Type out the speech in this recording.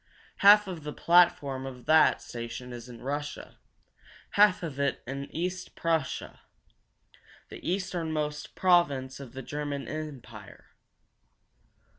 Half of the platform of that station is in Russia; half of it in East Prussia, the easternmost province of the German empire.